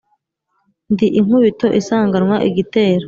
Ndi inkubito isanganwa igitero,